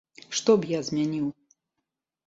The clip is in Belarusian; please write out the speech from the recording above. Што б я змяніў?